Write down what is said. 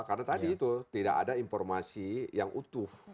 karena tadi itu tidak ada informasi yang utuh